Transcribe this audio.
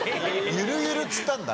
ゆるゆるっつったんだ。